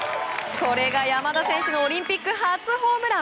これが山田選手のオリンピック初ホームラン。